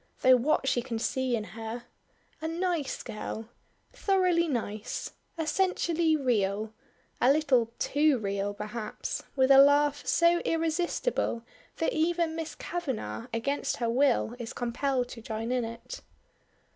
Though what she can see in her A nice girl. Thoroughly nice essentially real a little too real perhaps," with a laugh so irresistible that even Miss Kavanagh against her will is compelled to join in it.